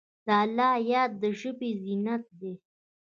د الله یاد د ژبې زینت دی.